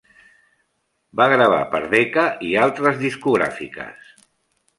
Va gravar per Decca i altes discogràfiques.